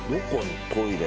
トイレ。